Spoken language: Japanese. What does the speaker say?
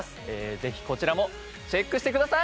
ぜひこちらもチェックしてください！